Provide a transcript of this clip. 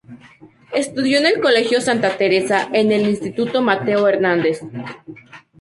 Estudió en el colegio Santa Teresa y en el instituto Mateo Hernández.